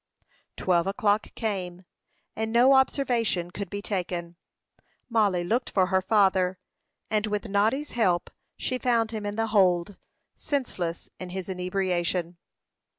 Twelve o'clock came, and no observation could be taken. Mollie looked for her father, and with Noddy's help she found him in the hold, senseless in his inebriation.